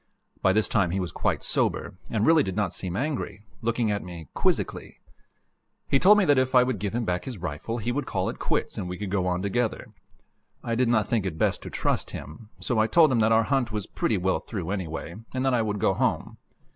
By this time he was quite sober, and really did not seem angry, looking at me quizzically. He told me that if I would give him back his rifle, he would call it quits and we could go on together. I did not think it best to trust him, so I told him that our hunt was pretty well through, anyway, and that I would go home.